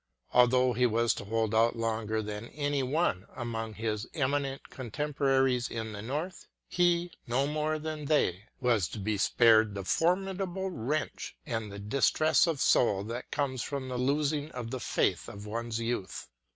Although he was to hold out longer than any one among his eminent con 110 BEYOND HUMAN POWER 111 temporaries in the North, he, no more than they, was to be spared the formidable wrench and the dis tress of soul that come with the losing of the faith of one's youth.